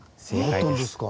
あったんですか。